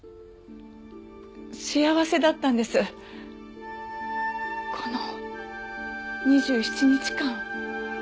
幸せだったんですこの２７日間。